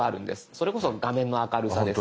それこそ画面の明るさですとか。